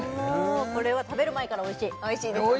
これは食べる前からおいしいおいしいの？